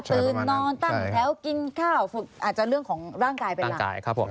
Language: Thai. ตื่นนอนตั้งแถวกินข้าวฝึกอาจจะเรื่องของร่างกายเป็นหลักครับผม